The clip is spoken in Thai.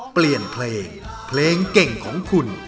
เปลี่ยนเพลงเพลงเก่งของคุณ